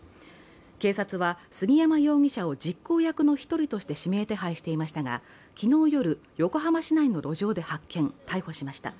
警察は杉山容疑者を実行役の１人として指名手配していましたが昨日夜、横浜市内の路上で発見、逮捕しました。